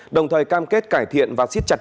đồng thời cam kết cải thiện và xít chặt